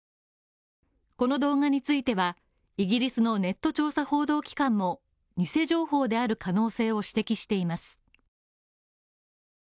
この動画については、イギリスのネット情報調査機関も偽情報である可能性を指摘しています。